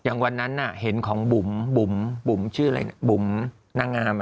อย่างวันนั้นน่ะเห็นของบุ๋มบุ๋มชื่ออะไรบุ๋มนางงาม